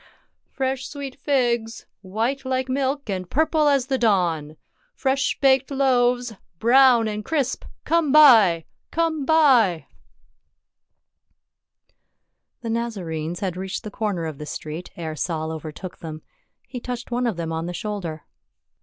— Fresh sweet figs ! white like milk, and purple as the dawn ! Fresh baked loaves, brown and crisp. Come buy ! Come buy !" The Nazarenes had reached the corner of the street ere Saul overtook them. He touched one of them on the shoulder.